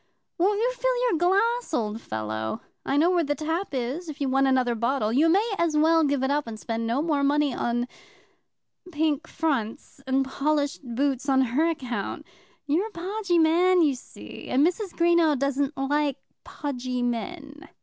Won't you fill your glass, old fellow? I know where the tap is if you want another bottle. You may as well give it up, and spend no more money in pink fronts and polished boots on her account. You're a podgy man, you see, and Mrs. Greenow doesn't like podgy men."